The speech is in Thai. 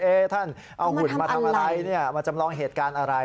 ท่านเอาหุ่นมาทำอะไรเนี่ยมาจำลองเหตุการณ์อะไร